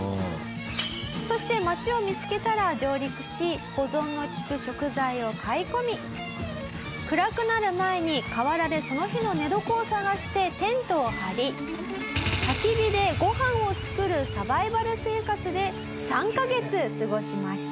そして街を見つけたら上陸し保存の利く食材を買い込み暗くなる前に河原でその日の寝床を探してテントを張りたき火でご飯を作るサバイバル生活で３カ月過ごしました。